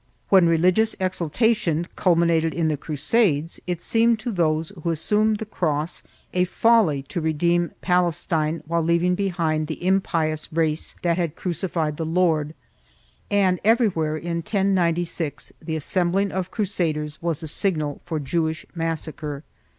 1 When religious exaltation culminated in the Crusades, it seemed to those who assumed the cross a folly to redeem Palestine while leaving behind the impious race that had crucified the Lord, and every where, in 1096, the assembling of crusaders was the signal for Jewish massacre.